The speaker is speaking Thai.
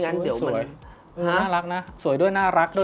น่ารักนะสวยด้วยน่ารักด้วย